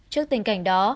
trước tình cảnh đó